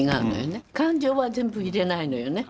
感情は全部入れないのよね。